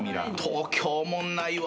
東京おもんないわ。